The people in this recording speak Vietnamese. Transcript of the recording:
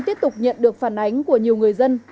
tiếp tục nhận được phản ánh của nhiều người dân